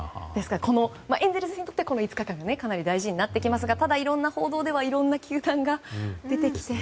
エンゼルスにとってはこの５日間がかなり大事になってきますがただ、いろんな報道ではいろんな球団が出てきて。